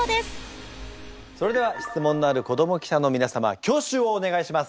それでは質問のある子ども記者の皆様挙手をお願いします。